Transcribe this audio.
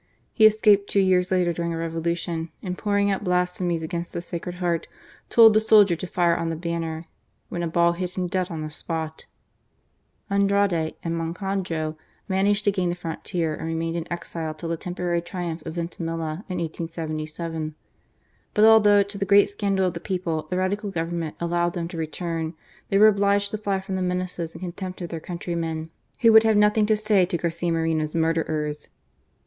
He escaped two years later during a Revolution, and, pouring out blasphemies against the Sacred Heart, told the soldier to fire on the banner, when a ball hit him dead on the spot, Andrade and Moncajo managed to gain the frontier and remained in exile till the temporary triumph of Vintimilla in 1877. But although, to the great scandal of the people, the Radical Govern ment allowed them to return, they were obliged to fiy from the menaces and contempt of their coimtry men, who would have nothing to say to Garcia Moreno's murderers.